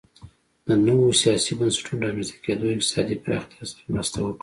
د نویو سیاسي بنسټونو رامنځته کېدو اقتصادي پراختیا سره مرسته وکړه